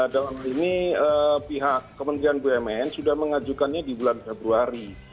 dalam hal ini pihak kementerian bumn sudah mengajukannya di bulan februari